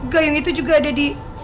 gayung itu juga ada di